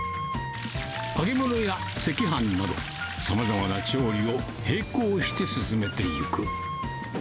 揚げ物や赤飯など、さまざまな調理を並行して進めていく。